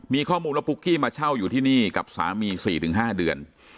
มีข้อมูลว่าปุ๊กกี้มาเช่าอยู่ที่นี่กับสามี๔๕เดือน